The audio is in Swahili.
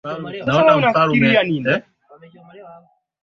Ingawa simba walikuwa wanawindwa zamani